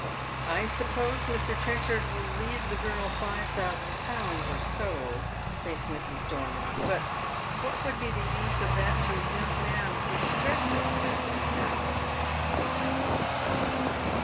" I suppose Mr. Trenchard will leave the girl five thousand pounds or so," tliinks Mrs. Stormont, "but what would be th© use of that to a young man with Fred's expensive habits